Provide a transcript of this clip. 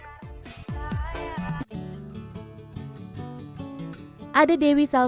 seperti rena dan treni lewat aplikasi tiktok